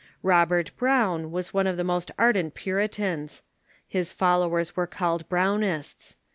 Robert Brown Avas one of the most ardent Puritans. His followers were called Brownists.